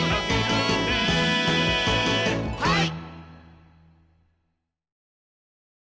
はい！